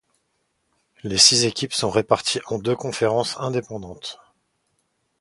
Les six équipes sont réparties en deux conférences indépendantes.